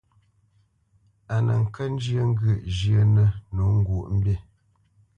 A nə kə́ njyə́ ŋgyə̂ʼ zhyə́nə̄ nǒ ŋgwǒʼmbî.